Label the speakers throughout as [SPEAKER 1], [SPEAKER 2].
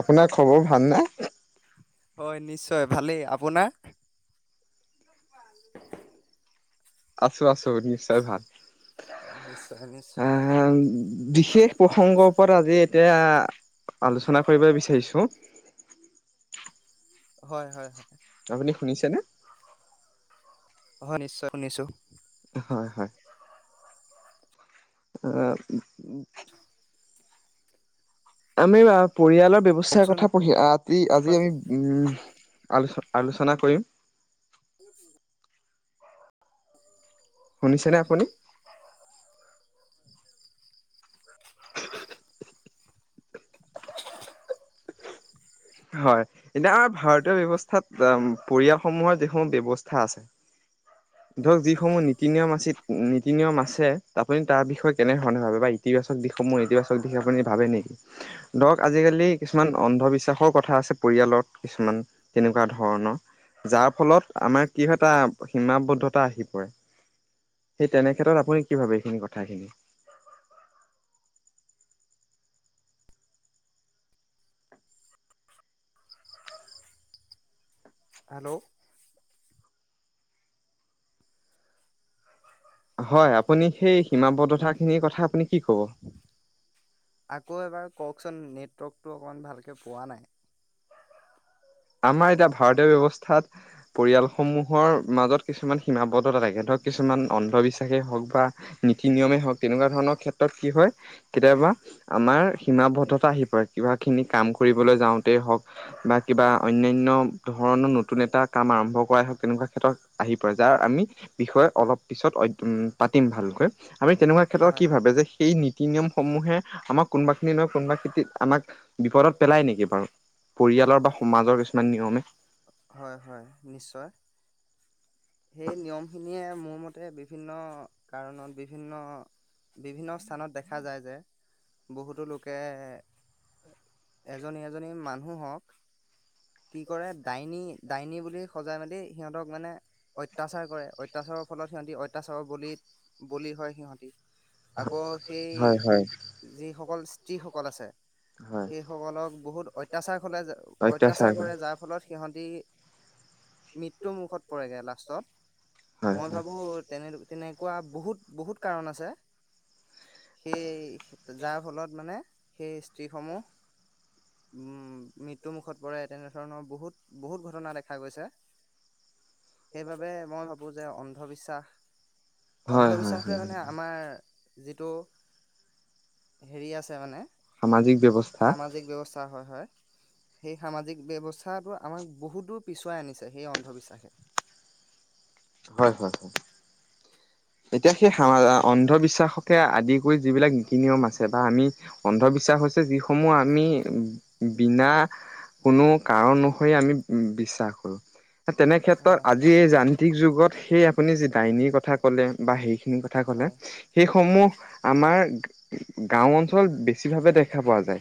[SPEAKER 1] আপোনাৰ খবৰ ভাল নে
[SPEAKER 2] হয় নিশ্চয় ভালেই আপোনাৰ [unintelligible]
[SPEAKER 1] আছো আছো নিশ্চয় ভাল
[SPEAKER 2] নিশ্চয় নিশ্চয়
[SPEAKER 1] আহ বিশেষ প্ৰসংগৰ ওপৰত আজি এতিয়া আলোচনা কৰিব বিচাৰিছো
[SPEAKER 2] হয় হয় হয়
[SPEAKER 1] আপুনি শুনিছেনে
[SPEAKER 2] অ নিশ্চয় শুনিছো
[SPEAKER 1] হয় হয় অ আমি বা পৰিয়ালৰ ব্যৱস্থাৰ
[SPEAKER 2] কওকচোন
[SPEAKER 1] কথা পঢ়িম আজি
[SPEAKER 2] বাৰু।
[SPEAKER 1] আমি আলোচনা কৰিম শুনিছেনে আপুনি [unintelligible] হয় এতিয়া ভাৰতীয় ব্যৱস্থাত পৰিয়ালসমূহৰ যিসমূহ ব্যয়ৱস্থা আছে ধৰক যিসমূহ নীতি নিয়ম আছে নীতি নিয়ম আছে আপুনি তাৰ বিষয়ে কেনেধৰণে ভাবে বা ইতিবাচক দিশসমূহ ইতিবাচক দিশ আপুনি ভাবে নেকি ধৰক আজিকালি কিছুমান অন্ধবিশ্বাসৰ কথা পৰিয়ালৰ কিছুমান তেনেকুৱা ধৰণৰ যাৰ ফলত আমাৰ কি এটা সীমাবদ্ধতা আহি পৰে সেই তেনেক্ষেত্ৰত আপুনি কি ভাবে এইখিন কথাখিনি
[SPEAKER 2] হেল্ল'
[SPEAKER 1] হয় আপুনি সেই সীমাবদ্ধতা খিনিৰ কথা আপুনি কি ক'ব
[SPEAKER 2] আকৌ এবাৰ কওকচোন নেটৱৰ্কটো অকণমান ভালকৈ পোৱা নাই
[SPEAKER 1] আমাৰ এতিয়া ভাৰতীয় ব্যৱস্থাত পৰিয়ালসমূহৰ মাজত কিছুমান সীমাবদ্ধ তা থাকে ধৰক কিছুমান অন্ধবিশ্বাসে হওক বা নীতি নিয়মে হওক তেনেকুৱা ধৰণৰ ক্ষেত্ৰত ত কি হয় কেতিয়াবা আমাৰ সীমাবদ্ধতা আহি পৰে কিবাখিনি কাম কৰিবলৈ যাওঁতেই হওক বা কিবা অনান্য ধৰণৰ নতুন এটা কাম আৰম্ভ কৰাই হওঁক তেনেকুৱা ক্ষেত্ৰত আহি পৰে যাৰ আমি বিষয়ে অলপ পিছতম পাতিম ভালকৈ আমি তেনেকুৱা ক্ষেত্ৰত
[SPEAKER 2] হয়
[SPEAKER 1] কি
[SPEAKER 2] হয়
[SPEAKER 1] ভাবে যে সেই নীতি নিয়মসমূহে আমাৰ কোনোবাখিনি নহয় আমাক বিপদত পেলাই নেকি বাৰু পৰিয়ালৰ বা সমাজৰ কিছুমান নিয়মে
[SPEAKER 2] হয় হয় নিশ্চয় সেই নিয়ম খিনিয়ে মোৰ মতে কাৰত বিভিন্ বিভিন্ন স্থানত দেখা যায় যে বহুতো এ এজনি এজনি মানুহক কি কৰে ডাইনী ডাইনী বুলি সজাই মেলি সিহঁতক মানে অত্যাচাৰ কৰে অত্যাচাৰৰ ফলত সিহঁতি অত্যাচাৰৰ বলি বলি হয় সিহঁতি আকৌ সেই
[SPEAKER 1] হয় হয়।
[SPEAKER 2] যিসকল যিসকল আছে
[SPEAKER 1] হয়
[SPEAKER 2] সেই সকলক বহুত অত্যাচাৰ হলে অত্যাচাৰ কৰে যাৰ ফলত সিহঁতি মৃত্যুৰ মুখত পৰেগৈ
[SPEAKER 1] হয়
[SPEAKER 2] লাষ্টত মই ভাবো তেনে তেনেকুৱা বহুত বহুত কাৰণ আছে সেই যাৰ ফলত মানে সেই স্ত্ৰি সমূহ উম মৃত্যুমুখত পৰে তেনেধৰণৰ বহুত বহুত ঘটনা দেখা গৈছে সেইবাবে মই ভাবোঁ যে অন্ধবিশ্বাস
[SPEAKER 1] হয় হয়
[SPEAKER 2] অন্ধবিশ্বাসটোৱে
[SPEAKER 1] হয়
[SPEAKER 2] মানে
[SPEAKER 1] হয়
[SPEAKER 2] আমাৰ যিটো হেৰি আছে মানে
[SPEAKER 1] সামাজিক ব্যৱস্থা
[SPEAKER 2] সামাজিক ব্যৱস্থা হয় হয় সেই সামাজিক ব্যৱস্থাটো আমাক বহুত দূৰ পিছোৱাই আনিছে সেই অন্ধবিশ্বাসে
[SPEAKER 1] হয় হয় হয় এতিয়া সেই অন্ধবিশ্বাসকে আদি কৰি যিবিলাক নীতি নিয়ম আছে বা আমি অন্ধবিশ্বাস হৈছে যিসমূহ আমি বিনা কোনো কাৰণ অনুসৰি আমি বিশ্বাস কৰো তেনেক্ষেত্ৰত
[SPEAKER 2] হয় হয়
[SPEAKER 1] আজি এই যান্ত্ৰিক যুগত সেই আপুনি যি ডাইনীৰ কথা বা সেইখিনি কথা কলে
[SPEAKER 2] হয়
[SPEAKER 1] সেইসমূহ আমাৰ গাও অঞ্চলত বেছিভাৱে দেখা পোৱা যায়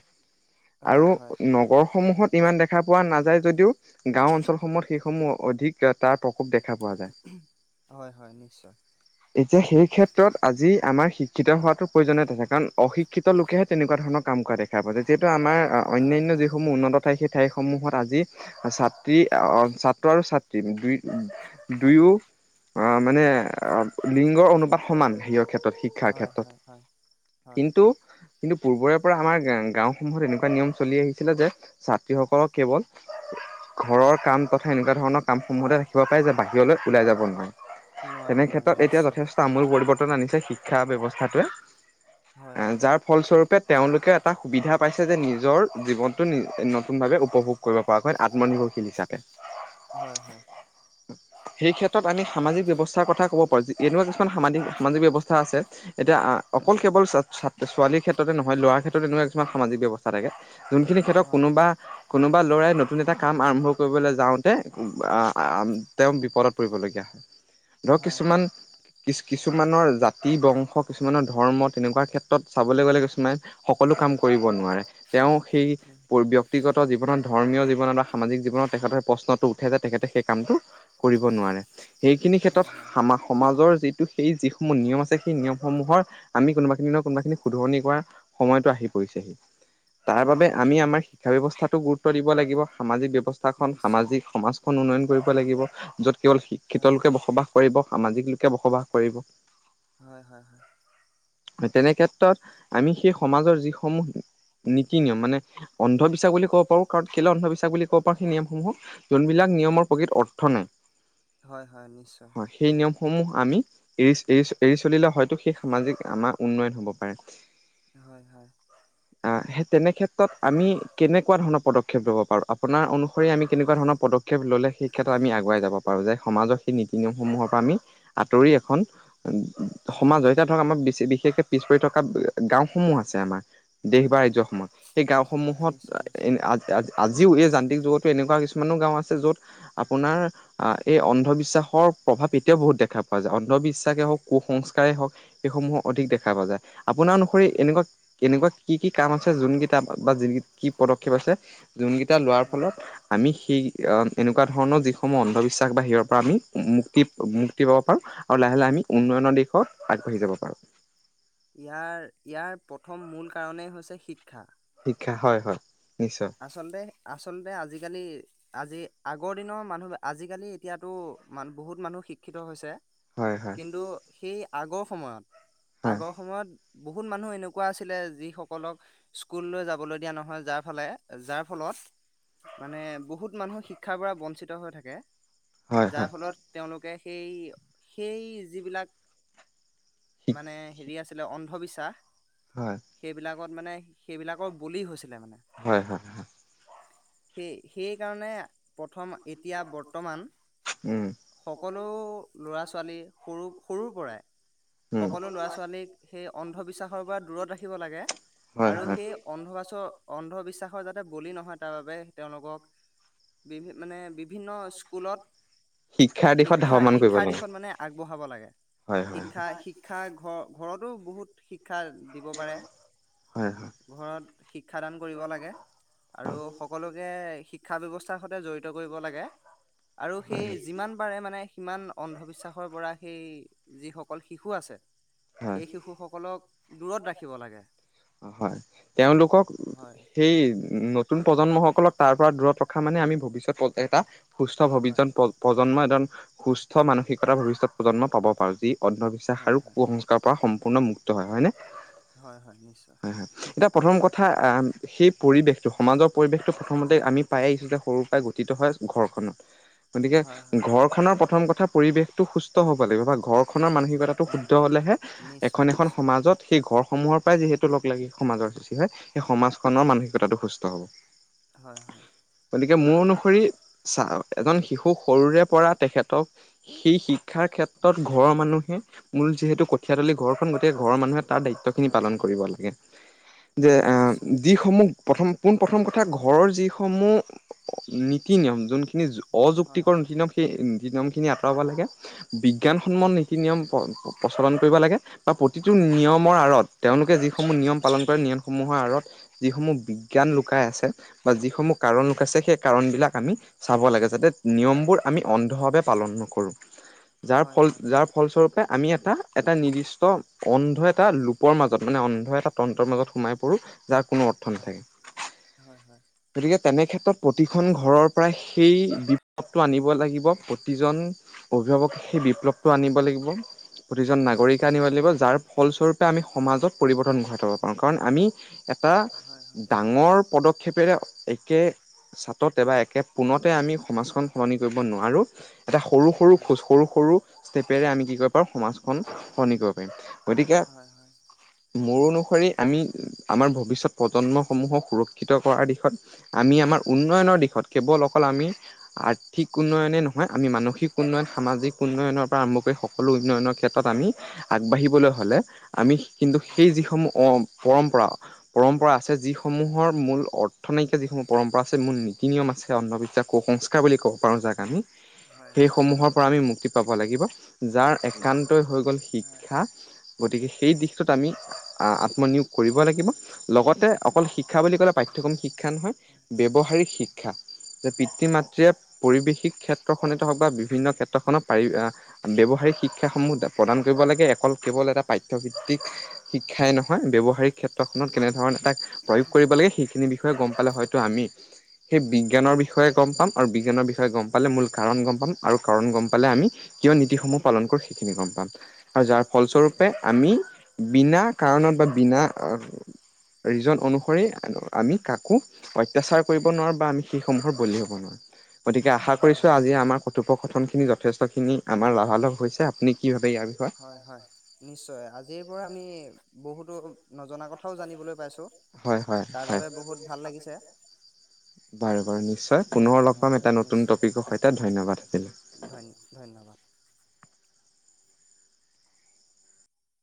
[SPEAKER 2] হয়
[SPEAKER 1] আৰু
[SPEAKER 2] হয়
[SPEAKER 1] নগৰসমূহত ইমান দেখা পোৱা নাযায় যদিও গাও অঞ্চলসমূহত সেইসমূহ অধিক তাৰ প্ৰকোপ দেখা পোৱা যায়
[SPEAKER 2] হয় হয় নিশ্চয়
[SPEAKER 1] এতিয়া সেই ক্ষেত্ৰত আজি আমাৰ শিক্ষিত হোৱাটো প্ৰয়োজনীয়তা কাৰণ অশিক্ষিত লোকেহে তেনেকুৱা ধৰণৰ কাম কৰা দেখা পোৱা জায় যিহেতু আমাৰ
[SPEAKER 2] হয়
[SPEAKER 1] অন্যান্য
[SPEAKER 2] হয়
[SPEAKER 1] যিসমূহ উন্নত ঠাই সেই ঠাইসমূহত আজি ছাত্ৰী আহ চাত [unintelligible]
[SPEAKER 2] হয়
[SPEAKER 1] দুয়ো মানে লিংগৰ অনুপাত সমান হেৰিওৰ ক্ষেত্ৰত শিক্ষাৰ
[SPEAKER 2] হয়
[SPEAKER 1] ক্ষেত্ৰত।
[SPEAKER 2] হয় হয় হয়
[SPEAKER 1] কিন্তু - কিন্তু পূৰ্বৰে পৰা আমাৰ গাওসমূহত এনেকুৱা নিয়ম চলি আহিছিলে যে ছাত্ৰীসকলক কেৱল ঘৰৰ কাম বা ধৰণৰ কামসমূহতে ৰাখিব পাৰে যে বাহিৰলৈ ওলাই যাব নোৱাৰে।
[SPEAKER 2] নোৱাৰে
[SPEAKER 1] ক্ষেত্ৰত এতিয়া
[SPEAKER 2] নিশ্চয়
[SPEAKER 1] যথেষ্ট আমূল পৰিৱৰ্তন আনিছে। শিক্ষা ব্যৱস্থাটোৱে
[SPEAKER 2] হয়
[SPEAKER 1] এ
[SPEAKER 2] হয়
[SPEAKER 1] যাৰ ফলস্বৰূপে তেওঁলোকে এটা সুবিধা পাইছে যে নিজৰ জীৱনটো নি - নতুন ভাৱে উপভোগ কৰিব পৰাকৈ আত্মনিৰ্ভৰশীল হিচাপে।
[SPEAKER 2] হয়
[SPEAKER 1] সেই ক্ষেত [unintelligible] আমি সামাজিক ব্যৱচ [unintelligible] কথা ক'ব পাৰি এনেকুৱা কিছুমান সামাজিক - সামাজিক ব্যৱস্থা আছে, এতিয়া আ - অকল
[SPEAKER 2] হয়
[SPEAKER 1] কেৱল চা - চাত - ছোৱালীৰ ক্ষেত্ৰতে নহয় ল'ৰাৰ ক্ষেত্ৰতে এনেকুৱা কিছুমান সামাজিক ব্যৱস্থা থাকে যোনখিনি
[SPEAKER 2] হয়
[SPEAKER 1] ক্ষেত্ৰত
[SPEAKER 2] হয়
[SPEAKER 1] কোনোবা - কোনোবা ল'ৰাই নতুন এটা কাম আৰম্ভ কৰিবলৈ যাওঁতে [unintelligible] তেওঁ বিপদত পৰিবলগীয়া হয়। ধৰক
[SPEAKER 2] হয়
[SPEAKER 1] কিছুমান কিছ - কিছুমানৰ জাতি বংশ, কিছুমানৰ ধৰ্ম তেনেকুৱা ক্ষেত্ৰত চাবলে গলে সকলোৱে সকলো কাম কৰিব নোৱাৰে। তেওঁ সেই ব্যক্তিগত জীৱনত, ধৰ্মীয় জীৱনত বা সামাজিক জীৱনত তেখেতৰ সেই প্ৰশ্নটো উঠে যে তেখেতে সেই কামটো কৰিব নোৱাৰে। সেই খিনি
[SPEAKER 2] হয়
[SPEAKER 1] ক্ষেত্ৰত
[SPEAKER 2] হয়
[SPEAKER 1] সামা - সমাজৰ যিটো সেই যিসমূহ নিয়ম আছে সেই নিয়ম সমূহৰ আমি কোনোবা খিনি ন কোনোবাখিনি শুধৰনি কৰা সময়টো আহি পৰিছেহি, তাৰ
[SPEAKER 2] হয়
[SPEAKER 1] বাবে
[SPEAKER 2] হয়
[SPEAKER 1] আমি আমাৰ শিক্ষা ব্যৱস্থাটো গুৰুত্ব দিব লাগিব। সামাজিক ব্যৱস্থা খন
[SPEAKER 2] নিশ্চয়
[SPEAKER 1] সামাজিক সমাজখন উন্নয়ন কৰিব [unintelligible] লাগিব য'ত কেৱল শিক্ষিত
[SPEAKER 2] হয়
[SPEAKER 1] লোকে বসবাস সামাজিক লোকে বসবাস কৰিব।
[SPEAKER 2] হয় হয় হয়।
[SPEAKER 1] তেনে ক্ষেত্ৰত আমি সেই সমাজৰ যিসমূহ নীতি নিয়ম মানে অন্ধবিশ্বাস বুলি ক'ব পাৰোঁ। কাৰণ কেলৈ অন্ধবিশ্বাস বুলি ক'ব পাৰোঁ সেই নিয়মসমূহক যোনবিলাক নিয়মৰ প্ৰকৃত অৰ্থ নাই।
[SPEAKER 2] হয় হয় নিশ্চয়
[SPEAKER 1] হয়। সেই নিয়মসমূহ আমি এৰি এৰিচ - এৰি চলিলে হয়তো সেই সামাজিক আমাৰ উন্নয়ন হব পাৰে।
[SPEAKER 2] হয় হয়।
[SPEAKER 1] তেনেক্ষেত্ৰত আমি কেনেকুৱা ধৰণৰ পদক্ষেপ ল'ব পাৰোঁ? আপোনাৰ অনুসৰি আমি কেনেকুৱা ধৰণৰ পদক্ষেপ ল'লে সেই ক্ষেত্ৰত আমি আগুৱাই যাব পাৰো যে সমাজৰ সেই নীত নিয়মসমূহৰ পৰা আমি আঁতৰি এখন উ - উ সমাজ হয় এতিয়া ধৰক আমাৰ [unintelligible] বিশেষকে, পিছ পৰি থকা গাওসমূহ আছে আমাৰ। দেশ
[SPEAKER 2] হয়
[SPEAKER 1] বা
[SPEAKER 2] হয়
[SPEAKER 1] ৰাজ্য সমত সেই গাঁওসমূহত
[SPEAKER 2] নিশ্চয় নিশ্চয়
[SPEAKER 1] আজ- আজ- আজিও এই যান্ত্ৰিক যুগত এনেকুৱা কিছুমানো গাঁও আছে য'ত আপোনাৰ আহ এই অন্ধবিশ্বাস [unintelligible] প্ৰভাৱ এতিয়াও বহুত দেখা পোৱা যায় অন্ধবিশ্বাসেই হওক, কুসংস্কাৰেই হওক সেইসমূহো অধিক দেখা পোৱা যায়। আপোনাৰ অনুসৰি
[SPEAKER 2] হয়
[SPEAKER 1] এনেকুৱা - কেনেকুৱা কি-কি কাম আছে যোন কেইটা বা যিন কি পদক্ষেপ আছে? যোনকেইটা লোৱাৰ
[SPEAKER 2] হয়
[SPEAKER 1] ফলত আমি সেই এনেকুৱা ধৰণৰ যিসমূহ অন্ধবিশ্বা তাক বাহিৰৰ পৰা আমি মুক্তি মুক্তি পাব পাৰো। আৰু লাহে লাহে আমি
[SPEAKER 2] হয়
[SPEAKER 1] উন্নয়নৰ
[SPEAKER 2] হয়
[SPEAKER 1] দিশত আগবাঢ়ি যাব পাৰোঁ।
[SPEAKER 2] ইয়াৰ ইয়াৰ প্ৰথম মূল কাৰণেই হৈছে শিক্ষা।
[SPEAKER 1] শিক্ষা হয় হয়। নিশ্চয়
[SPEAKER 2] আচলতে আচলতে আজিকালি। আজি আগৰ দিনৰ মানুহ আজিকালি এতিয়াতো মান বহুত মানুহ শিক্ষিত হৈছে।
[SPEAKER 1] হয় হয়
[SPEAKER 2] কিন্তু সেই আগৰ সময়ত
[SPEAKER 1] হয়
[SPEAKER 2] আগৰ সময়ত বহুত মানুহ এনেকুৱা আছিলে যিসকলক স্কুললৈ যাবলৈ দিয়া নহয় যাৰ ফালে। যাৰ ফলত। মানে। বহুত মানুহ শিক্ষাৰ পৰা বঞ্চিত হৈ থাকে
[SPEAKER 1] হয়
[SPEAKER 2] যাৰ ফলত তেওঁলোকে সেই সেই যিবিলাক মানে হেৰি আছিলে অন্ধবিশ্বাস।
[SPEAKER 1] হয় হয়
[SPEAKER 2] তা সেইবিলাকত। ত মানে। সেইবিলাকৰ বলি হৈছিলে মানে।
[SPEAKER 1] হয় হয়
[SPEAKER 2] সেই সেইকাৰণে প্ৰথম। এতিয়া বৰ্তমান
[SPEAKER 1] উম
[SPEAKER 2] সকলো ল'ৰা ছোৱালী সৰু সৰুৰ পৰাই
[SPEAKER 1] উম
[SPEAKER 2] সকলো ল'ৰা ছোৱালীক সেই অন্ধবিশ্বাসৰ পৰা দূৰত ৰাখিব লাগে
[SPEAKER 1] হয়
[SPEAKER 2] আৰু
[SPEAKER 1] হয়
[SPEAKER 2] সেই অন্ধ অন্ধবিশ্বাসৰ যাতে বুলি নহয় তাৰবাবে তেওঁলোকক বিভিন্ন মানে বি বিভিন্ন স্কুলত
[SPEAKER 1] শিক্ষাৰ দিশত
[SPEAKER 2] শিক্ষা
[SPEAKER 1] ধাৱমান কৰিব
[SPEAKER 2] শিক্ষাৰ
[SPEAKER 1] লাগে
[SPEAKER 2] দিশত মানে আগবঢ়াব লাগে
[SPEAKER 1] হয় হয় হয়
[SPEAKER 2] শিক্ষা শিক্ষা ঘ ঘৰতো বহুত। শিক্ষা দিব পাৰে
[SPEAKER 1] হয় হয়
[SPEAKER 2] ঘৰত শিক্ষাদান কৰিব লাগে আৰু সকলোকে শিক্ষা ব্যৱস্থা বিশ্বাসতে জড়িত কৰিব লাগে আৰু
[SPEAKER 1] হয়
[SPEAKER 2] সেই যিমান পাৰে মানে সিমান অন্ধবিশ্বাসৰ পৰা সেই যিসকল শিশু আছে।
[SPEAKER 1] হয়
[SPEAKER 2] সেই শিশুসকলক দূৰত ৰাখিব লাগে
[SPEAKER 1] হয় তেওঁলোকক
[SPEAKER 2] হয়
[SPEAKER 1] সেই ন নতুন প্ৰজন্মসকলক তাৰ পৰা দূৰত ৰখা মানে আমি ভৱিষ্যত এটা। সুস্থ
[SPEAKER 2] হয় হয়
[SPEAKER 1] ভৱিষ্যত প্ৰজন্ম এজন। সুস্থ মানসিকতা ভৱিষ্যত প্ৰজন্ম পাব পাৰো যি অন্ধবিশ্বাস আৰু
[SPEAKER 2] হয় হয়
[SPEAKER 1] সংস্কাৰ পৰা সম্পূৰ্ণ মুক্ত হয়নে
[SPEAKER 2] হয় হয় নিশ্চয়
[SPEAKER 1] হয় হয় এতিয়া প্ৰথম কথা আহ সেই পৰিৱেশটো সমাজৰ পৰিৱেশটো প্ৰথমতে আমি পাই আহিছো যে সৰুৰ পৰাই গঠিত হয় ঘৰখনত গতিকে
[SPEAKER 2] হয় হয়
[SPEAKER 1] ঘৰখনৰ প্ৰথম কথা পৰিৱেশটো সুস্থ হব লাগিব বা ঘৰ খনৰ মানসিকতাটো
[SPEAKER 2] নি
[SPEAKER 1] হ'লেহে
[SPEAKER 2] নিশ্চয়
[SPEAKER 1] এখন এখন
[SPEAKER 2] নিশ্চয়
[SPEAKER 1] সমাজত সেই ঘৰ সমূহৰ পৰাই যিহেতু লগ লাগি সমাজৰ সৃষ্টি হয় সেই সমাজখনৰ মানসিকতাটো সুস্থ হ'ব
[SPEAKER 2] হয় হয়
[SPEAKER 1] গতিকে মোৰ অনুসৰি চা এজন শিশু খুব সৰুৰে পৰা তেখেতক সেই শিক্ষাৰ ক্ষেত্ৰত ঘৰৰ মানুহে মূল যিহেতু কঠিয়াতলি ঘৰখন গতিকে ঘৰৰ মানুহে তাৰ দায়িত্ব খিনি
[SPEAKER 2] হয়
[SPEAKER 1] পালন
[SPEAKER 2] হয়
[SPEAKER 1] কৰিব লাগে যে
[SPEAKER 2] হয় নিশ্চয়
[SPEAKER 1] আহ যিসমূহ প্ৰথম পোন প্ৰথম প্ৰথম কথা ঘৰৰ যিসমূহ নীতি নিয়ম যোনখিনি
[SPEAKER 2] হয়
[SPEAKER 1] অযুক্তিকৰ
[SPEAKER 2] হয়
[SPEAKER 1] নীতি নিয়ম সেই নীতি নিয়ম খিনি আ ৰ'ব লাগে
[SPEAKER 2] হয়
[SPEAKER 1] বিজ্ঞানসন্মত নীতি নিয়ম প্ৰচলন কৰিব লাগে বা প্ৰতিটো
[SPEAKER 2] হয়
[SPEAKER 1] নিয়মৰ আঁৰত তেওঁলোকে যিসমূহ নিয়ম পালন কৰে নিয়মসমূহৰ আঁৰত যিসমূহ বিজ্ঞান লুকাই আছে বা যি আমি এটা
[SPEAKER 2] হয় হয় হয়
[SPEAKER 1] এটা নিৰ্দিষ্ট অন্ধ এটা ৰূপৰ মাজত মানে অন্ধ এটা তন্তৰ মাজত সোমাই পৰোঁ যাৰ কোনো অৰ্থ নাথাকে
[SPEAKER 2] হয় হয় হয় হয়
[SPEAKER 1] গতিকে তেনে ক্ষেত্ৰত পতি প্ৰতিজন নাগৰিকে আনিব লাগিব যাৰ
[SPEAKER 2] হয় হয় হয় হয়
[SPEAKER 1] পদক্ষেপেৰে একে ছাটতে বা একে পোনতে আমি সমাজখন সলনি কৰিব নোৱাৰোঁ এটা সৰু সৰু খোজ সৰু সৰু ষ্টেপেৰে আমি কি ক সমাজখন সলনি কৰিব পাৰিম গতিকে মোৰ অনুসৰি আমি আমাৰ ভৱিষ্যত প্ৰজন্মসমূহক সুৰক্ষিত কৰাৰ দিশত আমি আমাৰ উন্নয়নৰ দিশত কেৱল অকল আমি আৰ্থিক উন্নয়নে নহয় আমি মানসিক উন্নয়ন সামাজিক উন্নয়নৰ পৰা আৰম্ভ কৰি সকলো উন্নয়নৰ ক্ষেত্ৰত আমি আগবাঢ়িবলৈ হ'লে আমি কিন্তু
[SPEAKER 2] হয় হয়
[SPEAKER 1] সেই যিসমূহ অ পৰম্পৰা পৰম্পৰা আছে যিসমূহৰ মূল অৰ্থনাইকিয় যিসমূহ পৰম্পৰ
[SPEAKER 2] হয় হয় হয়
[SPEAKER 1] যাৰ একান্তই হৈ গ'ল শিক্ষা গতিকে সেই দিশটোত আমি আত্মনিয়োগ কৰিব
[SPEAKER 2] হয় হয়
[SPEAKER 1] লাগিব লগতে অকল শিক শিক্ষা বুলি ক'লে পাঠ্যক্ৰম শিক্ষা নহয় ব্যৱহাৰিক শিক্ষা যে পিতৃ মাতৃয়ে পৰিৱেশিক ক্ষেত্ৰখননেতে হওক বা বিভিন্ন ক্ষেত্ৰখনত পাৰি ব্যৱহাৰিক শিক্ষাসমূহ প্ৰদান কৰিব লাগে অকল কেৱল এটা পাঠ্যভিত্তিক শিক্ষাই নহয় ব্যৱহাৰিক ক্ষেত্ৰখনত কেনেধৰণে এটা প্ৰয়োগ কৰিব লাগে সেইখিনি বিষয়ে গম পালে হয়তো আমি সেই বিজ্ঞানৰ বিষয়ে গম পাম আৰু বিজ্ঞানৰ বিষয়ে গম পালে মূল কাৰণ গম পাম আৰু কাৰণ গম পালে আমি কিয় নীতিসমূহ পালন কৰোঁ সেইখিনি গম পাম আৰু যাৰ ফলস্বৰূপে আমি বিনা কাৰণত বা বিনা ৰিজন অনুসৰি আমি কাকো অত্যাচাৰ কৰিব নোৱাৰোঁ বা আমি সেইসমূহৰ বলি হ'ব নোৱাৰোঁ গতিকে আশা
[SPEAKER 2] হয়
[SPEAKER 1] কৰিছোঁ আজি আমাৰ কথোপকথনখিনি যথেষ্টখিনি লাভালাভ হৈছে আপুনি কি ভাবা
[SPEAKER 2] হয় হয় নিশ্চয় আজিৰ পৰা আমি বহুতো নজনা কথাও জানিবলৈ পাইছোঁ
[SPEAKER 1] হয় হয় সহয়াৰ বাৰু বাৰু নিশ্চয় পুনৰ লগ পাম এটা নতুন টপিকৰ সৈতে ধন্যবাদ থাকিল
[SPEAKER 2] ধন্য ধন্যবাদ